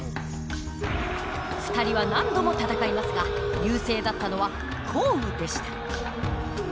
２人は何度も戦いますが優勢だったのは項羽でした。